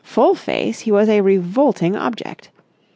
Full face, he was a revolting object.